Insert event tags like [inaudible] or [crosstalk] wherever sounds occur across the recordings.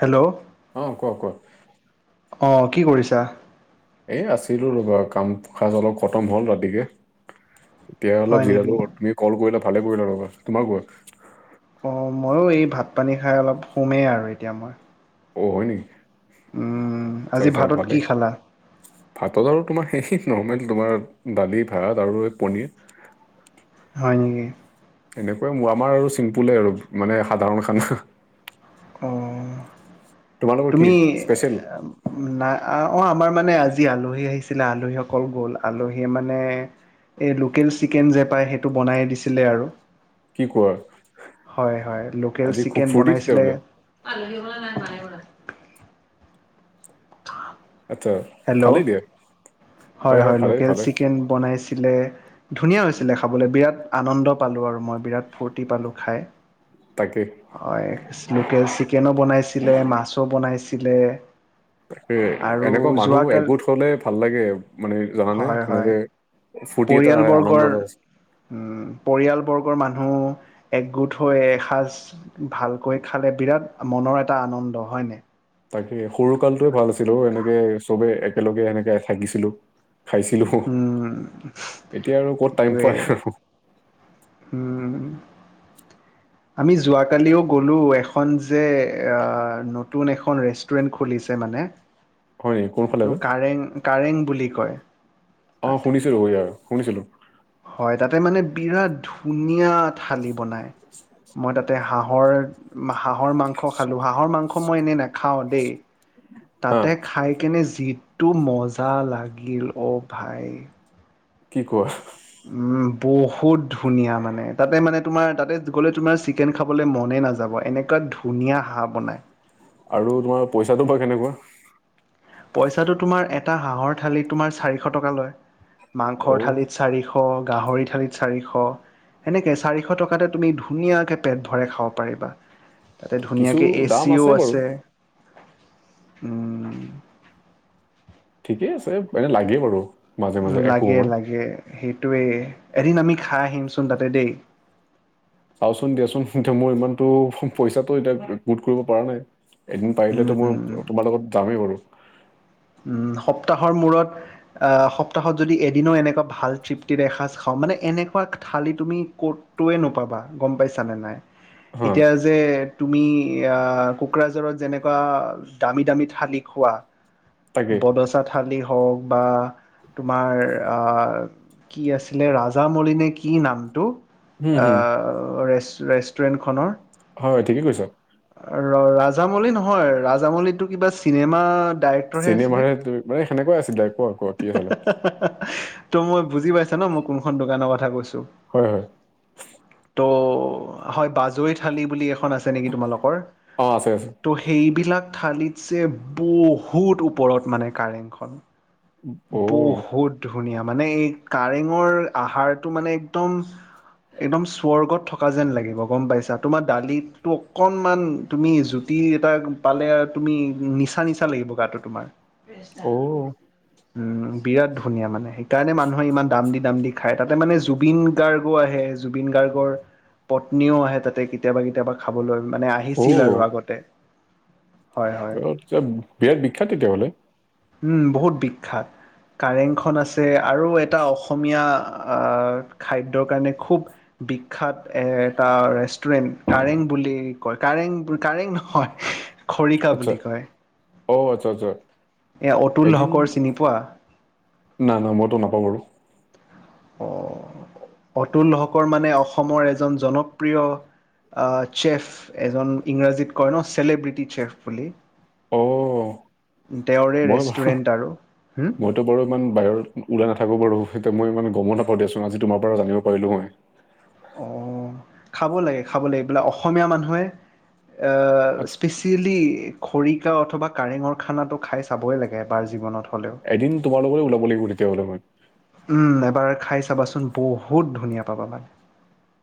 Hello? অ' ক ক? অ', কি কৰিছা? এই আছিলো ৰ'বা কাম সাজ অলপ খতম হ'ল ৰাতিকে, এতিয়া হয় অলপ নেকি জিৰালো। তুমি কল কৰিলা ভালে কৰিলা ৰবা, তোমাৰ কোৱা? অঁ' ময়ো এই ভাত পানী খাই অলপ সোমেই আৰু এতিয়া মই। অ' হয় নেকি, উম আচ্চা আজি আচ্চা ভাতত কি ভালেই। খালা ভাতত আৰু তোমাৰ সেই নৰ্মেল তোমাৰ, দালি ভাত আৰু এই পনীৰ। হয় নেকি? এনেকুৱাই মোৰ আমাৰ আৰু চিম্পুলে আৰু, মানে সাধাৰণ খানা। অ' তোমালোকৰ কি তুমি স্পেচিয়েল নাই [unintelligible] আমাৰ মানে আজি আলহী আহিছিলে। আলহীসকল গ'ল, আলহীয়ে মানে এই লোকেল চিকেন যে পায় সেইটো বনাই দিছিলে আৰু। কি কোৱা? হয় হয়, লোকেল আজি খুব চিকেন ফূৰ্তি বনাইছিলে। তেতিয়াহ'লে আচ্ছা [unintelligible] হেল্ল', ভালেই দিয়া হয় হয়, লোকেল চিকেন বনাইছিলে। ধুনীয়া হৈছিলে খাবলে, বিৰাট আনন্দ পালোঁ আৰু মই বিৰাট ফূৰ্তি পালোঁ খাই। তাকে হয়, লোকেল চিকেনো বনাইছিলে, মাছো বনাইছিলে। আৰু এনেকুৱা মানুহবোৰ যোৱাকালি এগোট হলে ভাল লাগে মানে জানানে? হয় হয় সেনেকে ফুৰ্তি এটা হয়, পৰিয়ালবৰ্গৰ আনন্দতা আ উম, পৰিয়ালবৰ্গৰ মানুহ একগোট হৈ এসাজ ভালকৈ খালে বিৰাট মনৰ এটা আনন্দ, হয় নাই? তাকে সৰু কালটোৱে ভাল আছিল অ' এনেকে চবে একেলগে এনেকে থাকিছিলো। খাইছিলোঁ, উম এতিয়া আৰু ক'ত টাইম পায় আৰু। হম। আমি যোৱাকালিও গ'লো, এখন যে নতুন এখন ৰেষ্টুৰেণ্ট খুলিছে মানে। হয় নেকি কোনফালে এইটো বা কাৰেং, কাৰেং বুলি কয়। অ' তাতে শুনিছোঁ ইয়াৰ, শুনিছিলো। হয়, তাতে মানে বিৰাট ধুনীয়া থালি বনাই। মই তাতে হাঁহৰ হাঁহৰ মাংস খালো, হাঁহৰ মাংস মই এনেই নেখাওঁ দেই। হা তাতে খাই কেনে যিটো মজা লাগিল, অ' ভাই। কি কোৱা? উম, বহুত ধুনীয়া মানে, তাতে মানে তোমাৰ তাতে গ'লে তোমাৰ চিকেন খাবলৈ মনে নাযাব, এনেকুৱা ধুনীয়া হাঁহ বনায়। আৰু তোমাৰ পইচাটো বাৰু কেনেকুৱা? পইচাটো তোমাৰ এটা হাঁহৰ থালিত তোমাৰ চাৰিশ টকা লয়। মাংসৰ অ' থালিত চাৰিশ শ গাহৰি থালিত চাৰিশ। সেনেকে চাৰিশ টকাতে তুমি ধুনীয়াকে পেট ভৰা খাব পাৰিবা। তাতে কিছু ধুনীয়াকে এ দাম চিও বাৰু আছে। উম ঠিকে আছে, এনেই লাগে বাৰু। মাজে মাজে এশ লাগে সময় লাগে সেইটোয়ে, এদিন আমি খাই আহিমচোন তাতে দেই? চাওঁচোন দিয়াচোন মোৰ ইমানটো পইচাটো এতিয়া গোট কৰিব পৰা নাই? এদিন পাৰিলেতো মই উম, তোমাৰ লগত যামেই বাৰু? সপ্তাহৰ মূৰত? সপ্তাহত যদি এদিনও এনেকুৱা ভাল তৃপ্তিৰে এসাঁজ খাওঁ মানে, এনেকুৱা থালি তুমি ক'ত টোয়ে নোপাবা। গ'ম পাইছ নে নাই হা এতিয়া। যে তুমি কোকৰাঝাৰত যেনেকুৱা দামী দামী থালি খোৱা। তাকে বদচা থালি হওক, বা তোমাৰ আহ কি আছিলে ৰাজামনি নে কি নামটো? হুম হুম অ' ৰেষ্টুৰেণ্টখনৰ হয় ঠিকেই কৈছ। ৰ ৰাজামৌলি নহয়, ৰাজামৌলিতো কিবা চিনেমা ডাইৰেক্টৰহে আছিলে। চিনেমাৰ হে মানে সেনেকুৱ আছিলে, অ' কোৱা কোৱা কি আছিলে? ত' মই বুজি পাইছা ন মই কোনখন দোকানৰ কথা কৈছো? হয়, হয়। ত' হয়। বাজৰি থালি বুলি এখন আছে নেকি তোমালোক? অ' আছে আছে। ত' সেইবিলাক থালিত যে বহুত ওপৰত মানে কাৰেংখন। অ বহুত ধুনীয়া মানে এই কাৰেঙৰ আহাৰটো মানে একদম একদম স্বৰ্গত থকা যেন লাগিব গম পাইছা? তোমাৰ দালিতটো অকণমান তুমি জুতি এটা পালে আৰু তুমি নিচা নিচা লাগিব গাটো তোমাৰ। অ উম, বিৰাট ধুনীয়া মানে, সেইকাৰণে মানুহে ইমান দাম দি দাম দি খায়। তাতে মানে জুবিন গাৰ্গো আহে। জুবিন গাৰ্গৰ পত্নীও আহে তাতে কেতিয়াবা কেতিয়াবা খাবলৈ মানে। আহ অ অ, আহিছিল আৰু আগতে। হয় হয় তেতিয়া বিৰাট বিখ্যাত তেতিয়াহ'লে? উম, বহুত বিখ্যাত। কাৰেংখন আছে, আৰু এটা অসমীয়া আহ খাদ্যৰ কাৰণে খুব বিখ্যাত এ এটা ৰেষ্টুৰেণ্ট কাৰেং বুলি কয় কাৰেং কাৰেং নহয়। খৰিকা আচ্ছা বুলি কয়। অ' আচ্ছা আচ্ছা। এ অতুল হকৰ চিনি পোৱা? নাই নাই মইতো নাপাওঁ বাৰু। আহ অতুল হকৰ মানে, অসমৰ এজন জনপ্ৰিয় চেফ এজন ইংৰাজীত কয় ন চছেলেব্ৰিটি চেফ বুলি। অ তেওঁৰে ৰেষ্টুৰেন্ট আৰু। হুম? ত' বাৰু ইমান বাহিৰ ওলাই নাথাকো বাৰু, সেইয়া মই ইমান গ'ম নাপাওঁ দিয়াচোন, আজি তোমাৰ পৰা জানিব পাৰিলো মই। অ খাব লাগে খাব লাগে এইবিলাক অসমীয়া মানুহে আচ্ছা চিলি খৰিকা অথবা কাৰেঙৰ খানাটো খাই চাবই লাগে এবাৰ জীৱনত হ'লেও। এদিন তোমাৰ লগতে ওলাব লাগিব তেতিয়াহলে মই। উম, এবাৰ খাই চাবাচোন বহুত ধুনীয়া পাবা মানে।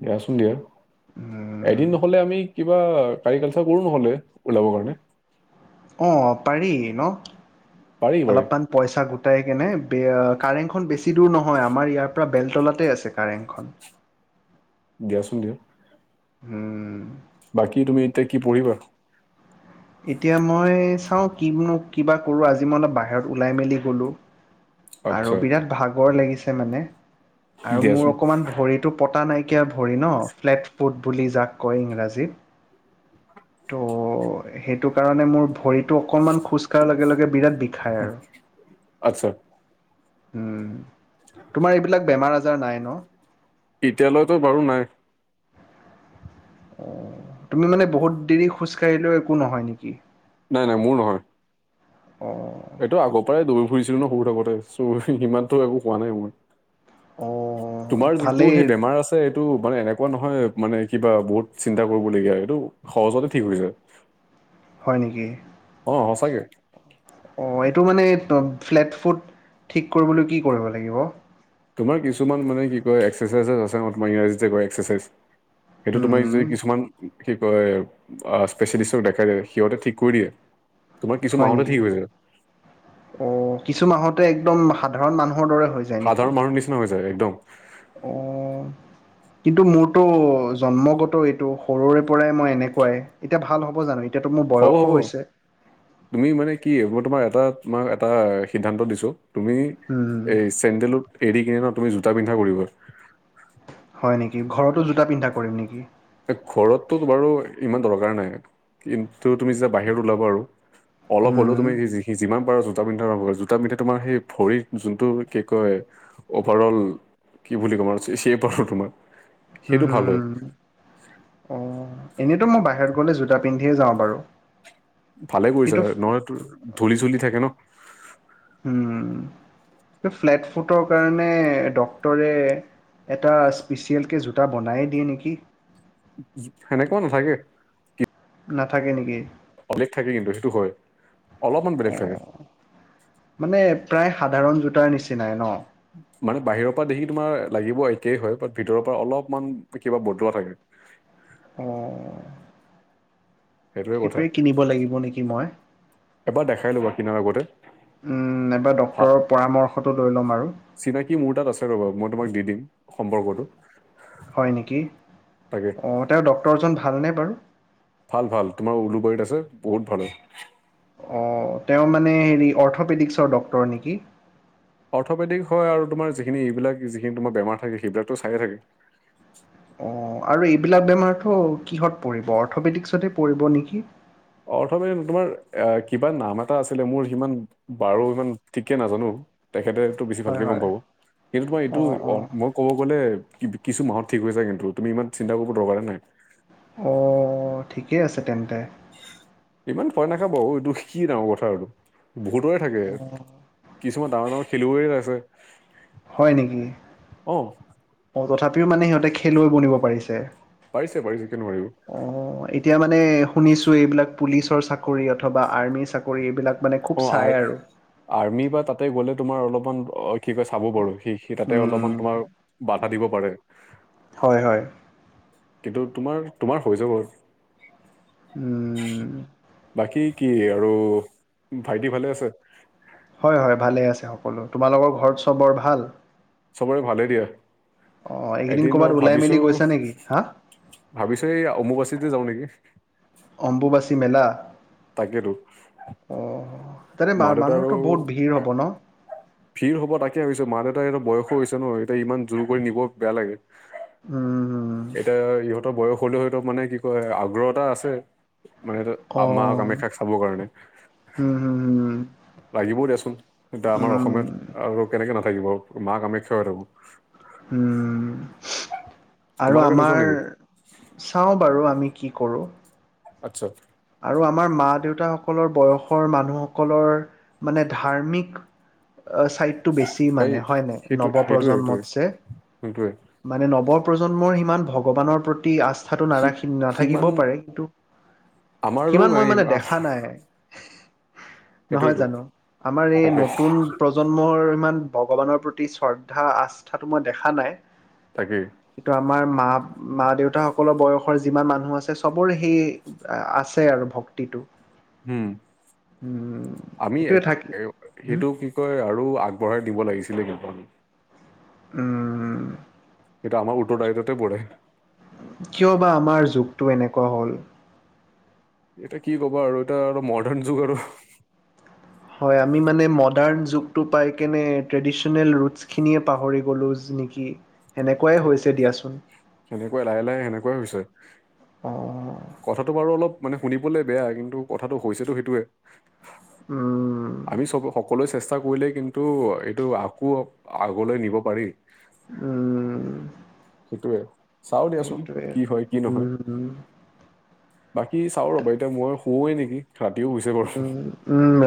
দিয়াচোন দিয়া। উম এদিন নহলে আমি কিবা তাৰিখ আলোচনা কৰো নহলে ওলাবৰ কাৰণে। অঁ পাৰি ন পাৰি পাৰি অলপমান পইছা গোটাই কেনে। কাৰেঙখন বেছি দূৰ নহয় আমাৰ ইয়াৰ পৰা বেলতলাতে আছে কাৰেঙখন। দিয়াচোন দিয়া। উম। বাকী তুমি এতিয়া কি পঢ়িবা? এতিয়া মই চাওঁ কিনো কিবা কৰোঁ আজি মই অলপ বাহিৰত ওলাই মেলি গ'লোঁ। আৰু আচ্ছা বিৰাট ভাগৰ লাগিছে মানে। আৰু মোৰ দিয়াচোন অকমান ভৰিটো পতা নাইকিয়া ভৰি ন ফ্লেট ফুট বুলি যাক কয় ইংৰাজীত। ত' সেইটো কাৰণে মোৰ ভৰি টো অকনমান খোজ কাঢ়া লগে লগে বিৰাট বিষাই আৰু। আচ্ছা। উম, তোমাৰ এইবিলাক বেমাৰ আজাৰ নাই ন? এতিয়ালৈতো বাৰু নাই। অ তুমি মানে বহুত দেৰি খোজ কাঢ়িলেও একো নহয় নেকি? নাই নাই মোৰ নহয়। অ এইটো আগৰ পৰাই দৌৰি ফুৰিছিলো ন সৰু থাকোতে চ' ইিমানতো একো কোৱা নাই মোৰ। অ', তোমাৰ যিটো ভালেই সেই বেমাৰ আ ছে এইটো মানে এনেকুৱা নহয় মানে কিবা বহুত চিন্তা কৰিবলগীয়া এইটো সহজতে ঠিক হৈ যায়। হয় নেকি? অঁ সঁচাকে। অ এইটো মানে ফ্লেট ফুট ঠিক কৰিবলৈ কি কৰিব লাগিব? তোমাৰ কিছুমান মানে কি কয় এক্সাৰচাইজেছ আছে ন তোমাৰ ইংৰাজীতে কয় এক্সাৰচাইজ। সেইটো তোমাক উম যদি কিছুমান কি কয় স্পেচিয়েলিষ্টক দেখাই দিয়ে সিহঁতে ঠিক কৰি দিয়ে। তোমাৰ কিছু হয় মাহতে নেকি ঠিক হৈ যায়। অ কিছু মাহতে একদম সাধাৰণ মানুহৰ দৰে হৈ যায়। নেকি সাধাৰণ মানুহৰ নিচিনা হৈ যায় একদম। অ কিন্তু মোৰটো জন্মগত এইটো সৰুৰে পৰাই মই এনেকুৱাই। এতিয়া ভাল হ'ব জানো? এতিয়াতো মোৰ হ'ব বয়সো হ'ব। হৈছে তুমি মানে কি মই তোমাৰ এটা তোমাক এটা সিদ্ধান্ত দিছো তুমি উম এই চেণ্ডেলক এৰি কিনে ন তুমি জোতা পিন্ধা কৰিবা। হয় নেকি, ঘৰতো জোতা পিন্ধা কৰিম নেকি? এই ঘৰতটো বাৰু ইমান দৰকাৰ নাই কিন্তু তুমি যেতিয়া বাহিৰত ওলাবা আৰু। অলপ হলেও উম তুমি যিমান পাৰা জোতা পিন্ধা আৰম্ভ কৰা। জোতা পিন্ধিলে তোমাৰ সেই ভৰিত যোনটো কি কয় অভাৰ অল কি বুলি ক'ম আৰু [unintelligible] তোমাৰ উম সেইটো হুম ভাল হয় হুম অ এনেইতো মই বাহিৰত গ'লে জোতা পিন্ধিয়ে যাওঁ বাৰু। ভালে কৰিছা কিন্তু নহ'লে তোৰ ধূলি চুলি থাকে ন। উম, এ ফ্লেট ফুটৰ কাৰণে ডক্তৰে এটা স্পেচিয়েলকে জোতা বনায়ে দিয়ে নেকি সেনেকুৱা নাথাকে নাথাকে নেকি [unintelligible] থাকে কিন্তু সেইটো হয় অলপমান বেলেগ অ থাকে মানে প্ৰায় সাধাৰণ জোতাৰ নিচিনাই ন মানে বাহিৰৰ পৰা দেখি তোমাৰ লাগিব একেই হয় বাট ভিতৰৰ পৰা অলপমান কিবা বটোৱা থাকে অ সেইটোৱে কথা কিনিব লাগিব নেকি মই এবাৰ দেখাই ল'বা কিনাৰ আগতে উম এবাৰ ভা ডক্টৰৰ পৰামৰ্শটো লৈ ল'ম আৰু চিনাকি মোৰ তাত আছে ৰবা মই তোমাক দি দিম সম্পৰ্কটো হয় নেকি তাকে অঁ তেওঁ ডক্তৰজন ভালনে বাৰু ভাল ভাল তোমাৰ উলুবাৰীত আছে বহুত ভাল হয় অঁ তেওঁ মানে হেৰি অৰ্থপেডিক্সৰ ডক্তৰ নেকি অৰ্থ'পেডিক হয় আৰু তোমাৰ যিখিনি এইবিলাক যিখিনি তোমাৰ বেমাৰ থাকে সেইবিলাকতো চায়ে থাকে অঁ আৰু এইবিলাক বেমাৰটো কিহত পৰিব অৰ্থপেডিক্সতে পৰিব নেকি অৰ্থ [unintelligible] তোমাৰ এ কিবা নাম এটা আছিলে মোৰ সিমান বাৰু সিমান ঠিকে নাজানো। তেখেতেতো বেছি হয় ভালকে গম হয় পাব। কিন্তু তোমাৰ এইটো অ, মই ক'ব গ'লে কি কিছু মাহত ঠিক হৈ যায় কিন্তু। তুমি ইমান চিন্তা কৰিব দৰকাৰে নাই। অঁ ঠিকে আছে তেন্তে। ইমান ভয় নাখাব ঔটো কি ডাঙৰ কথা আৰু বহুতৰে থাকে। অঁ কিছুমান ডাঙৰ ডাঙৰ খেলিৱৈৰ আছে। হয় নেকি? অ অ তথাপিও মানে সিহঁতে খেলুৱৈ বনিব পাৰিছে। পাৰিছে পাৰিছে কিয় নোৱাৰিব। অ এতিয়া মানে শুনিছো এইবিলাক পুলিচৰ চাকৰি অথবা আৰ্মিৰ চাক - কৰি এইবিলাক মানে অ খুব আৰ চাই আৰু। আৰ্মি বা তাতে গ'লে তোমাৰ অলমান অ কি কয় চাব বাৰো সি সি তাতে অলপমান উম, তোমাৰ বাধা দিব পাৰে। হয় - হয়। কিন্তু তোমাৰ তোমাৰ হৈ যাব উ বাকী কি আৰু ভাইটি ভালে আছে। হয় - হয় ভালে আছে সকলো তোমালোকৰ ঘৰত চবৰ ভাল? চবৰে ভালেই দিয়া অঁ এইকেইদিন এদিন অ ক'ৰবাত ওলাই মেলি ভাবিছো গৈছা নেকি হা ভাবিছো এই অম্বুবাচীতে যাওঁ নেকি? অম্বুবাচী মেলা তাকেতো অ, তাতে মা দেউতা আৰু মানুহতো বহুত ভিৰ হব ন? ভিৰ হ'ব তাকে ভাবিছো মা, দেউতা কিন্তু বয়সো হৈছে ন এতিয়া ইমান জোৰ কৰি নিব বেয়া লাগে। উ। এতিয়া ইহঁতৰ বয়স হলেও হয়তো মানে কি কয় আগ্ৰহ এতা আছে মানে [unintelligible] আ, মা কামাখ্যাক চাবৰ কাৰণে উ, উ লাগিবও দেচোন এতিয়া আমাৰ উম, অসমীয়াত আৰু কেনেকে নাথাকিব মা কামাখ্যা [unintelligible] উ, আৰু তোমালোকে নোযোৱা আমাৰ নেকি চাওঁ বাৰু আমি কি কৰোঁ। আচ্ছা। আৰু আমাৰ মা দেউতাসকলৰ বয়সৰ মানুহসকলৰ মানে ধাৰ্মিক ছাইডটো বেছি এই মানে হয়নে সেইটো সেইটোৱে সেইটোৱে নৱপ্ৰজন্মতছে? সেইটোৱে মানে নৱ প্ৰজন্মৰ ইমান ভগৱানৰ প্ৰতি আস্থাটো সি নাৰাখি সিমান নাথাকিবও পাৰে কিন্তু আমাৰো সিমান মই নাই মানে দেখা নাই। নহয় সেইটোৱেতো জানো? আমাৰ এই তাকে নতুন প্ৰজ প্ৰজন্মৰ ইমান ভগৱানৰ প্ৰতি শ্ৰদ্ধা, আস্থাটো মই দেখা নাই। তাকে। কিন্তু আমাৰ মা, মা দেউতাসকলৰ বয়সৰ যিমান মানুহ আছে চবৰে হেই আছে আৰু ভক্তিটো। উম [unintelligible] ঐ আৰু আগবঢ়াই দিব লাগিছিলে কিন্তু। উম এইটো আমাৰ ওঠৰ তাৰিখতে পৰে। কিয় বা আমাৰ যুগটো এনেকুৱা হ'ল। এতিয়া কি ক'বা আৰু এটা আৰু মৰ্ডান ন যুগ আৰু। হয় আমি মানে মৰ্ডান যুগটো পাই কেনে ট্ৰেডিচনেল ৰুদছ খিনিয়ে পাহৰি গ'লোঁ নেকি, হেনেকুৱাই হৈছে দিয়াচোন। হেনেকুৱাই, লাহে লাহে সেনেকুৱাই হৈছে। অঁ কথাটো বাৰু অলপ মানে শুনিবলে বেয়া কিন্তু কথাটো হৈছেতো সেইটোৱেই। উম। আমি চব সকলোৱে চেষ্টা কৰিলে কিন্তু এইটো আকৌ আগলৈ নিব পাৰি। উম। সেইটোয়ে। চাওঁ দিয়াচোন সেইটোৱে কি হয়, কি নহয়। উম বাকী চাওঁ ৰ'বা এতিয়া মই শুৱেই নেকি, ৰাতিও হৈছে বাৰু। উম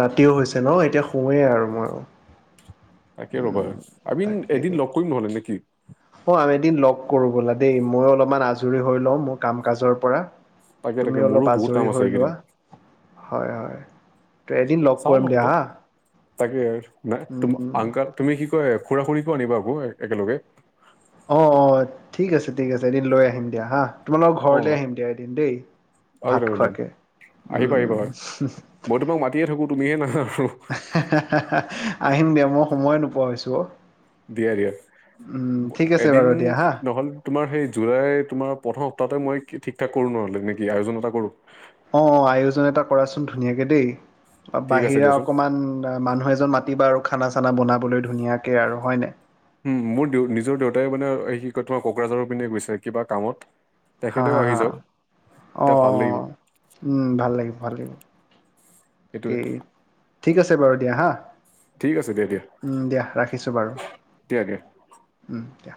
ৰাতিও হৈছে ন' এতিয়া শুৱেই আৰু মই। তাকে ৰ'বা, আমিন এদিন লগ কৰিম নহ'লে নেকি? অ' আমি এদিন লগ কৰোঁ ব'লা দেই, মই অলপমান আজৰি হৈ লওঁ মোৰ কাম কাজৰ পৰা। তাকে তুমি তাকে অলপ মোৰো বহুত কাম আজৰি আছে হৈ এইকেইদিন লোৱা, হয় হয়। ত' এদিন লগ চাও কৰিম দিয়া নহ'লে হা তাকে ন' তুম আংক তুমি কি কয় খুৰা খুৰী কো [unintelligible] একেলগে? অ', অ' ঠিক আছে, ঠিক আছে এদিন লৈ আহিম দিয়া হা। তোমালোকৰ অ ঘৰতে আহিম দিয়া এদিন দেই, একদম ভাত একদম খোৱাকে। আহিবা আহিবা [unintelligible] থাকো তুমিহে নাহা আৰু। আহিম দিয়া, মই সময় নোপোৱা হৈছোঁ অ'। দিয়া দিয়া। উম ঠিক আছে এদিন বাৰু দিয়া হা নহ'ল তোমাৰ সেই জুৱাই তোমাৰ প্ৰথম সপ্তাহতে মই ঠিক ঠাক কৰোঁ ন' নেকি, আয়োজন এটা কৰোঁ। অ', অ' আয়োজন এটা কৰাচোন ধুনীয়াকে দেই, ঠিক আছে বাহিৰা দিয়াচোন অকণমান মানুহ এজন মাতিবা আৰু খানা চানা বনাবলৈ ধুনীয়াকে আৰু হয়নে? উ, মোৰ দে নিজৰ দেউতাই মানে কি কয় তোমাৰ কোকৰাঝাৰৰ পিনে গৈছে কিবা কামত। হা তেখেতেও হা আহি হা যাওঁক, অ অ তেতিয়া ভাল লাগিব। উম ভাল লাগিব ভাল লাগিব কি সেইটোৱে। ঠিক আছে বাৰু দিয়া হা, ঠিক আছে দিয়া দিয়া উ, দিয়া ৰাখিছোঁ বাৰু। দিয়া দিয়া উম, দিয়া।